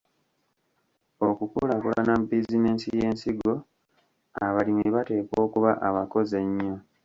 Okukulaakulana mu bizinensi y’ensigo abalimi bateekwa okuba abakozi ennyo.